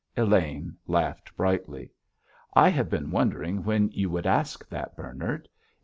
Elaine laughed brightly. "I have been wondering when you would ask that, Bernard.